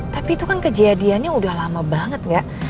tapi itu kan kejadiannya udah lama banget gak